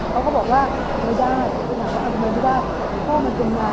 ก็ต้องทำความฝันที่คิดอยู่หรือที่อยากทำให้เป็นความจริงนะ